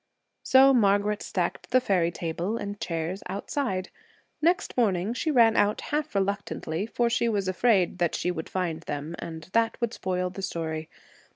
So Margaret stacked the fairy table and chairs outside. Next morning, she ran out half reluctantly, for she was afraid she would find them and that would spoil the story.